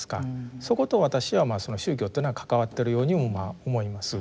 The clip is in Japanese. そこと私は宗教っていうのは関わっているようにも思います。